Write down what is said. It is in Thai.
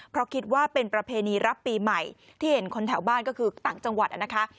เพราะคิดว่าเป็นประเพณีรับปีใหม่ที่เห็นคนแถวบ้านก็คือต่างจังหวัดนะคะ